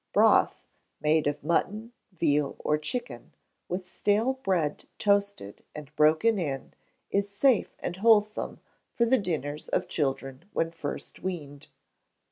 Broth, made of mutton, veal, or chicken, with stale bread toasted, and broken in, is safe and wholesome for the dinners of children when first weaned.